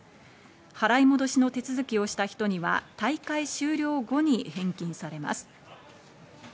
払い戻しの手続きをした人には大会終了後に返金されます。